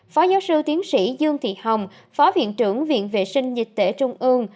phó giáo sư tiến sĩ dương thị hồng phó viện trưởng viện vệ sinh dịch tễ trung ương